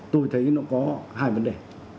tôi thấy nó có hai vấn đề